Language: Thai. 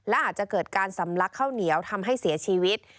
และอาจจะเกิดการสำลักข้าวเหนียวทำให้เสียชีวิต